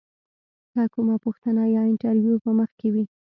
که کومه پوښتنه یا انتریو په مخ کې وي.